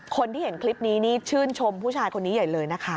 คนที่เห็นคลิปนี้นี่ชื่นชมผู้ชายคนนี้ใหญ่เลยนะคะ